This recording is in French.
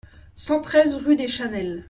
cent treize rue des Chanelles